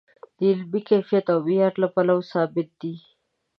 د علمي کیفیت او معیار له پلوه ثابت دی.